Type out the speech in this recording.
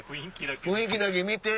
雰囲気だけ見て。